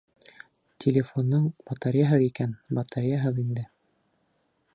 Телефоның батареяһыҙ икән, батареяһыҙ инде.